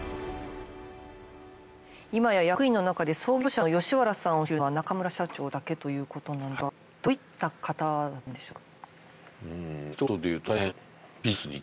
今や役員の中で創業者の吉原さんを知るのは中村社長だけということなんですがどういった方だったんでしょうか。